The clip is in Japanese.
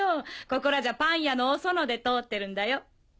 ここらじゃパン屋のおソノで通ってるんだよ。